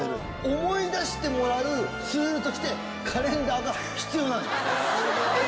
思い出してもらうツールとして、カレンダーが必要なんです。